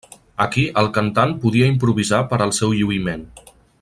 Aquí el cantant podia improvisar per al seu lluïment.